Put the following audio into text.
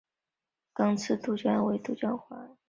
刚刺杜鹃为杜鹃花科杜鹃属下的一个种。